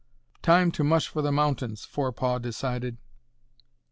"Time to mush for the mountains," Forepaugh decided.